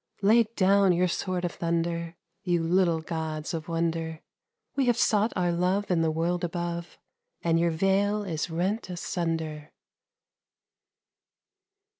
Lay down your sword of thunder, You little gods of wonder ! We have sought our love in the world above, And your veil is rent asunder.